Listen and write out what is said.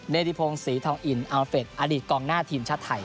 ธิพงศรีทองอินอาเฟดอดีตกองหน้าทีมชาติไทย